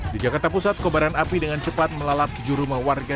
di jakarta pusat kobaran api dengan cepat melalap tujuh rumah warga